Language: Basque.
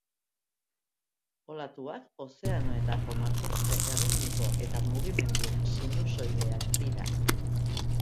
Olatuak ozeanoetako makurtze erritmiko eta mugimendu sinusoideak dira.